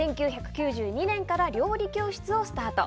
１９９２年から料理教室をスタート。